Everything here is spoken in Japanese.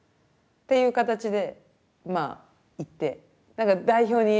いう形でまあ行って。